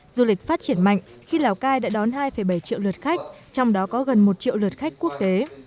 du lịch phát triển mạnh khi lào cai đã đón hai bảy triệu lượt khách trong đó có gần một triệu lượt khách quốc tế